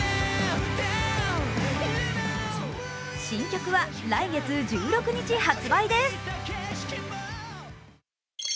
新曲は来月１６日発売です。